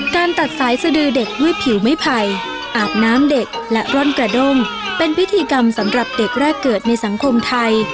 ตัดสายสดือเด็กด้วยผิวไม่ไผ่อาบน้ำเด็กและร่อนกระด้งเป็นพิธีกรรมสำหรับเด็กแรกเกิดในสังคมไทย